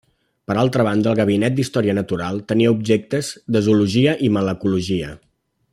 Per altra banda, el Gabinet d’Història Natural tenia objectes de zoologia i malacologia.